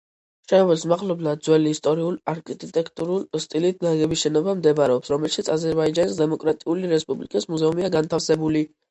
შენობის მახლობლად ძველი ისტორიულ-არქიტექტურული სტილით ნაგები შენობა მდებარეობს, რომელშიც აზერბაიჯანის დემოკრატიული რესპუბლიკის მუზეუმია განთავსებული.